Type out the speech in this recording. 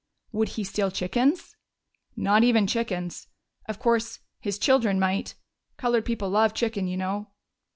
"Would he steal chickens?" "Not even chickens.... Of course, his children might. Colored people love chicken, you know."